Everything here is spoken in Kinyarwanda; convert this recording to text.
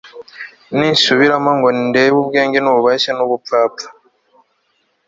nisubiramo ngo ndebe ubwenge n'ubusazi n'ubupfapfa